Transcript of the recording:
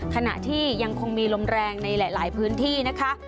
ขณะที่ยังคงมีลมแรงในหลายพื้นที่นะคะ